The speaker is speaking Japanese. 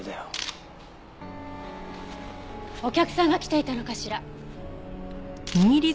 お客さんが来ていたのかしら？